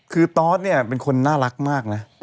คือตอสเนี่ยเป็นคนน่ารักมากนะ